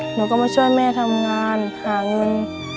หนูก็มาช่วยแม่ทำงานหาเงิน